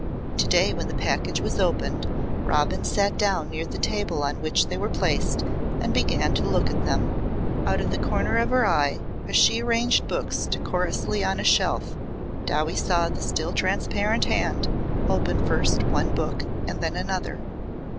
To day when the package was opened Robin sat down near the table on which they were placed and began to look at them. Out of the corner of her eye as she arranged books decorously on a shelf Dowie saw the still transparent hand open first one book and then another.